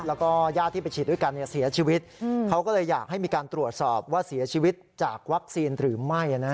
แล้วก็ญาติที่ไปฉีดด้วยกันเสียชีวิตเขาก็เลยอยากให้มีการตรวจสอบว่าเสียชีวิตจากวัคซีนหรือไม่